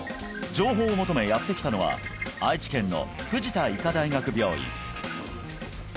情報を求めやって来たのは愛知県の藤田医科大学病院